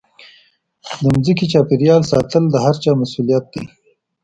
د ځمکې چاپېریال ساتل د هرچا مسوولیت دی.